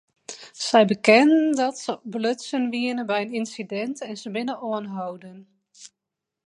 Sy bekenden dat se belutsen wiene by it ynsidint en se binne oanholden.